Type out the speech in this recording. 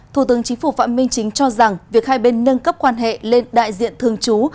thủ tướng chính phủ phạm minh chính cho rằng việc hai bên nâng cấp quan hệ lên đại diện thường trú